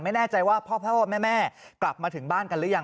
ไม่แน่ใจว่าพ่อแม่กลับมาถึงบ้านกันหรือยัง